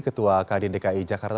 ketua kdn dki jakarta